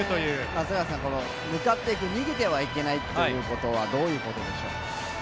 松坂さん立ち向かっていく逃げてはいけないというのはどうでしょう？